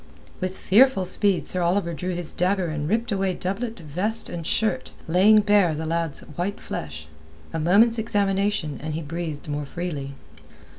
With fearful speed Sir Oliver drew his dagger and ripped away doublet, vest, and shirt, laying bare the lad's white flesh. A moment's examination, and he breathed more freely.